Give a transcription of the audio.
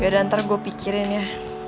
ya udah nanti gue pikirin ya